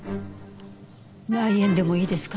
内縁でもいいですか？